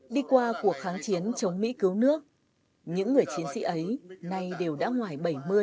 đi qua cuộc kháng chiến chống mỹ cứu nước những người chiến sĩ ấy nay đều đã ngoài bảy mươi